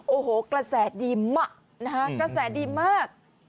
โอ้โฮกระแสดีมาก